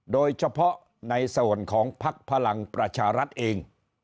โดยเฉพาะในส่วนของพักพลังประชารัฐเอง